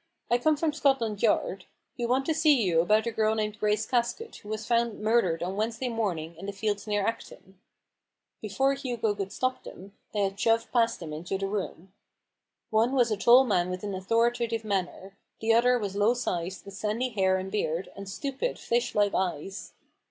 I come from Scotland Yard. We want to see } r ou about a girl named Grace Casket, who was found murdered on Wednesday morning in the fields near Acton." Before Hugo could stop them, they had shoved past him into the room. One was a tali man with an authoritative manner ; the other was low sized, with sandy hair and beard, and stupid, fish like eyes.